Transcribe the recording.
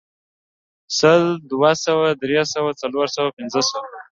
سل، دوه سوه، درې سوه، څلور سوه، پنځه سوه